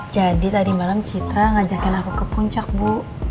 jadi tadi malam citra ngajakin aku ke puncak bu